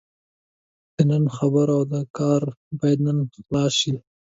د نن خبره او کار باید نن خلاص شي.